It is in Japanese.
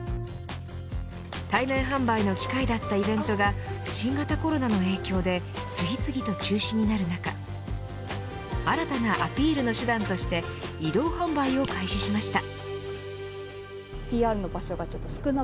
対面販売の機会だったイベントが新型コロナの影響で次々と中止になる中新たなアピールの手段として移動販売を開始しました。